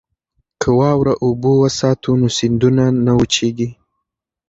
که واوره اوبه وساتو نو سیندونه نه وچیږي.